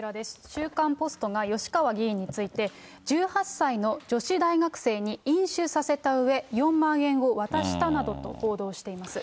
週刊ポストが吉川議員について、１８歳の女子大学生に飲酒させたうえ、４万円を渡したなどと報道しています。